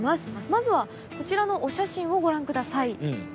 まずはこちらのお写真をご覧下さい。